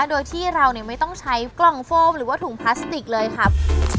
โดยที่เราไม่ต้องใช้กล่องโฟมหรือว่าถุงพลาสติกเลยครับ